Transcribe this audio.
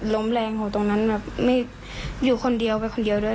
ล้มแรงแบบอยู่คนเดียวไปคนเดียวเลย